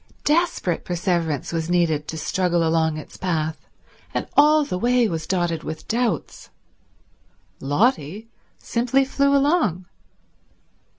Desperate perseverance was needed to struggle along its path, and all the way was dotted with doubts. Lotty simply flew along.